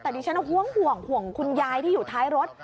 แต่ดิฉันห่วงห่วงคุณยายที่อยู่ท้ายรถ